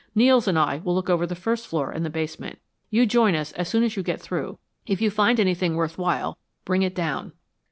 Nels and I will look over the first floor and the basement. You join us as soon as you get through. If you find anything worth while, bring it down."